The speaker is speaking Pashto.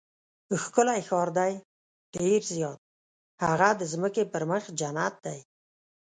ښکلی ښار دی؟ ډېر زیات، هغه د ځمکې پر مخ جنت دی.